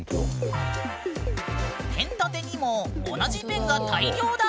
ペン立てにも同じペンが大量だ！